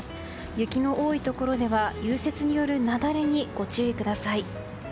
雪の多いところでは融雪による雪崩にご注意ください。